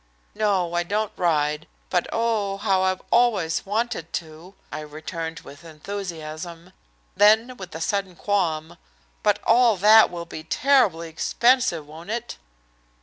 "No, I don't ride, but oh, how I've always wanted to!" I returned with enthusiasm. Then, with a sudden qualm, "But all that will be terribly expensive, won't it?"